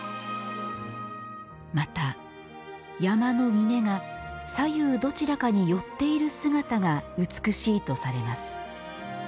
また、山の峰が左右どちらかに寄っている姿が美しいとされます。